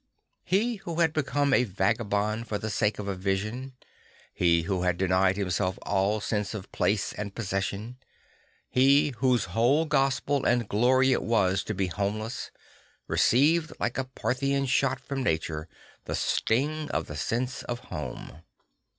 He who had become a vagabond for the sake of a vision, he who had denied himself all sense of place and possession, he whose whole gospel and glory it was to be homeless, received like a Parthian shot from nature, the sting of the sense of home.